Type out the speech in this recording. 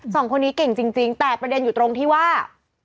สองคนนี้เก่งจริงแต่ประเด็นอยู่ตรงที่ว่า